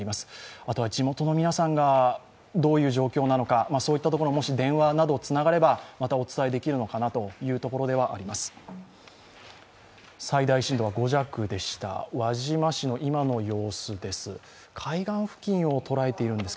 あとは地元の皆さんがどういう状況なのかそういったところ、もし電話などつながればまたお伝えできるのかなというところではあります。